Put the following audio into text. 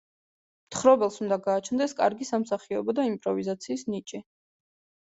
მთხრობელს უნდა გააჩნდეს კარგი სამსახიობო და იმპროვიზაციის ნიჭი.